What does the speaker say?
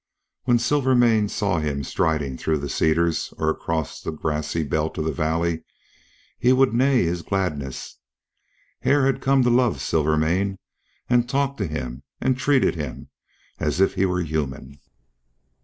When Silvermane saw him striding through the cedars or across the grassy belt of the valley he would neigh his gladness. Hare had come to love Silvermane and talked to him and treated him as if he were human.